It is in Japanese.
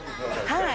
はい。